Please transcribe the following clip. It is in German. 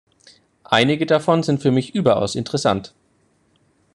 Einige davon sind für mich überaus interessant.